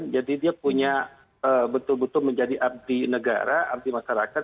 jadi dia punya betul betul menjadi abdi negara abdi masyarakat